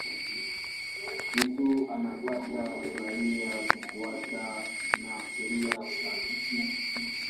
Mtu anapata uraia kufuatana na sheria za nchi husika.